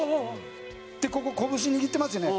でここ拳握ってますよね。